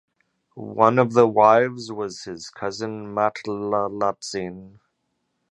One of the wives was his cousin Matlalatzin.